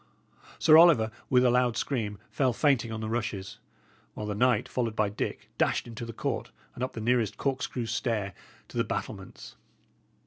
Sir Oliver, with a loud scream, fell fainting on the rushes; while the knight, followed by Dick, dashed into the court and up the nearest corkscrew stair to the battlements.